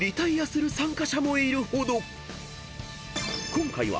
［今回は］